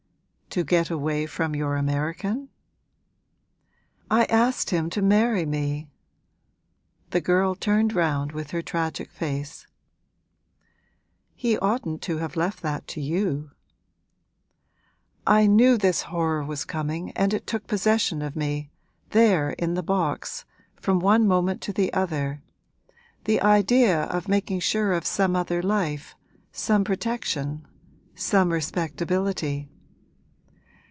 'To get away from your American?' 'I asked him to marry me!' The girl turned round with her tragic face. 'He oughtn't to have left that to you.' 'I knew this horror was coming and it took possession of me, there in the box, from one moment to the other the idea of making sure of some other life, some protection, some respectability.